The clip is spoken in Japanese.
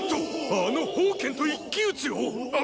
あの煖と一騎打ちをっ！